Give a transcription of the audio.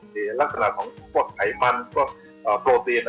ทั่วทางของไขมันก็โปรเซีน